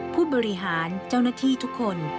ผู้บริหารเจ้าหน้าที่ทุกคน